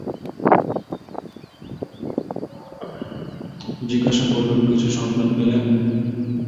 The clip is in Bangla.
জিজ্ঞাসা করলুম, কিছু সন্ধান পেলেন?